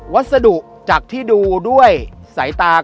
วัสดุจากที่ดูด้วยสายตา